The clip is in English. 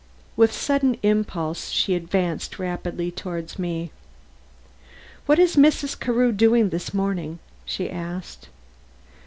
With sudden impulse she advanced rapidly toward me. "What is Mrs. Carew doing this morning?" she asked.